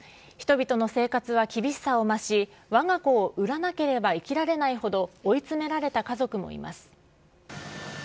人々の生活は厳しさを増し、わが子を売らなければ生きられないほど、追いつめられた家族もいます。